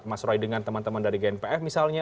mas roy dengan teman teman dari gnpf misalnya